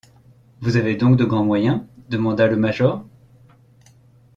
Vous avez donc de grands moyens? demanda le major.